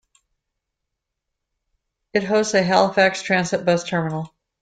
It hosts a Halifax Transit bus terminal.